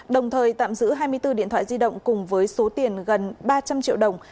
đồng thời tạm giữ hai mươi bốn điện thoại di động cùng với số tiền gần ba trăm linh triệu đồng